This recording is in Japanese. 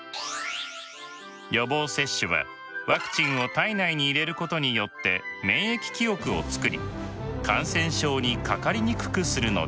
予防接種はワクチンを体内に入れることによって免疫記憶を作り感染症にかかりにくくするのです。